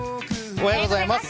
おはようございます。